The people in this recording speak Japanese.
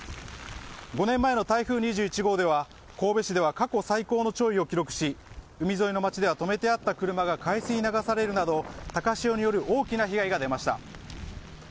５年前の台風２１号では神戸市では過去最高の潮位を記録し海沿いの街では止めてあった車が海水に流されるなど高潮による大きな被害が出ました。